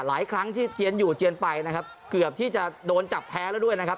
หลายครั้งที่เทียนอยู่เจียนไปนะครับเกือบที่จะโดนจับแพ้แล้วด้วยนะครับ